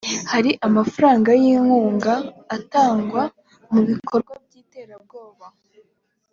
hari amafaranga y’inkunga atangwa mu bikorwa by’iterabwoba